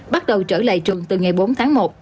bắt đầu trở lại trừng từ ngày bốn tháng một